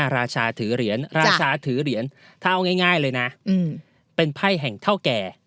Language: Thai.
ราชาถือเหรียญราชาถือเหรียญถ้าเอาง่ายเลยนะเป็นไพ่แห่งเท่าแก่